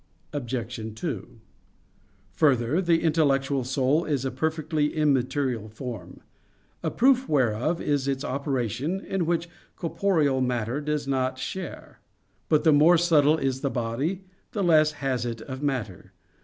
Obj. 2: Further, the intellectual soul is a perfectly immaterial form; a proof whereof is its operation in which corporeal matter does not share. But the more subtle is the body, the less has it of matter.